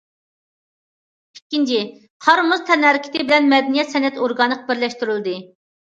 ئىككىنچى، قار- مۇز تەنھەرىكىتى بىلەن مەدەنىيەت- سەنئەت ئورگانىك بىرلەشتۈرۈلدى.